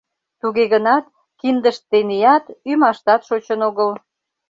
Туге гынат киндышт теният, ӱмаштат шочын огыл.